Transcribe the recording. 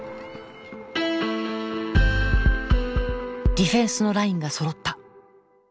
ディフェンスのラインがそろった。